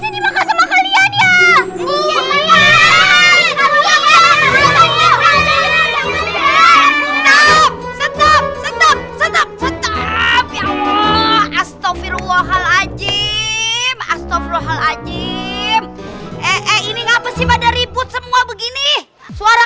astaghfirullahaladzim astaghfirullahaladzim eh eh ini ngapasih pada ribut semua begini suara